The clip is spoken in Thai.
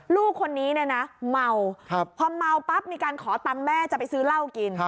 ลูกคนนี้เมาพอเมาปั๊บมีการขอตำแม่จะไปซื้อเหล้ากิน